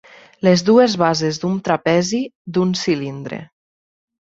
Les dues bases d'un trapezi, d'un cilindre.